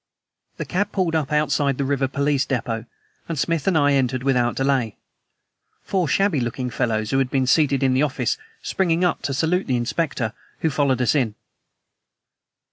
The cab pulled up outside the river police depot, and Smith and I entered without delay, four shabby looking fellows who had been seated in the office springing up to salute the Inspector, who followed us in.